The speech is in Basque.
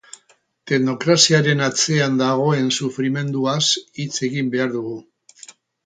Teknokraziaren atzean dagoen sufrimenduaz hitz egin behar dugu.